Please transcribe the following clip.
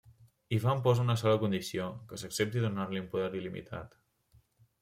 Ivan posa una sola condició: que s'accepti donar-li un poder il·limitat.